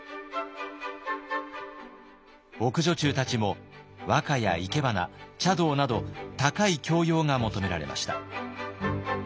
奥女中たちも和歌や生け花茶道など高い教養が求められました。